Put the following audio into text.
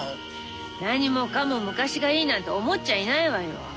何もかも昔がいいなんて思っちゃいないわよ。